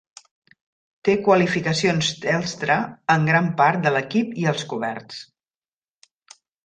Té qualificacions Telstra en gran part de l'equip i els coberts.